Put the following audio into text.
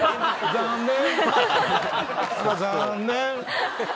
残念。